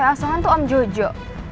asalan tuh om jojo